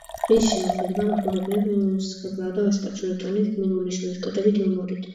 მისი შემოქმედება მაყურებელს ხიბლავდა ვაჟკაცური ტონით, გმირული სულისკვეთებით, იუმორით.